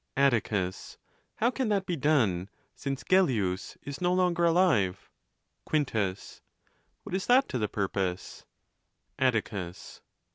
Aiticus.— How can that be done, since Gellius is no longer alive ? Quintus.— What is that to the purpose ? Atticus.